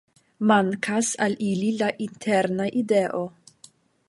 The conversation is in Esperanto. Mankas al ili la interna ideo.